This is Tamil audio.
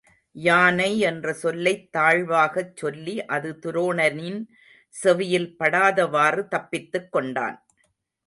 யானை என்ற சொல்லைத் தாழ்வாகச் சொல்லி அது துரோணனின் செவியில் படாதவாறு தப்பித்துக் கொண்டான்.